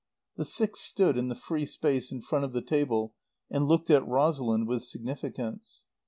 The six stood in the free space in front of the table and looked at Rosalind with significance.